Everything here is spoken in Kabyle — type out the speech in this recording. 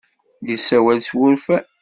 Yessawal s wurfan.